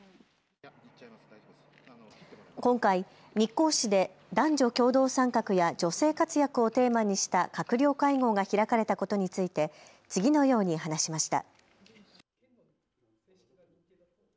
今回、日光市で男女共同参画や女性活躍をテーマにした閣僚会合が開かれたことについて次のように話しました。